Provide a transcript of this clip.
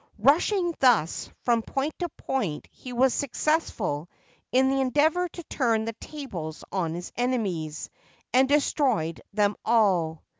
Rushing thus from point to point, he was successful in the endeavour to turn the tables on his enemies, and destroyed them all.